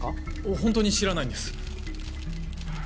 本当に知らないんです。